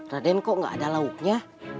raden kok gak ada lauknya